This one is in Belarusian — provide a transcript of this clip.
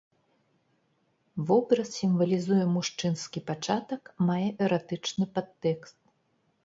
Вобраз сімвалізуе мужчынскі пачатак, мае эратычны падтэкст.